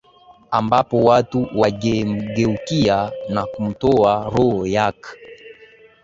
ambapo watu wangemgeukia na kumtoa roho yak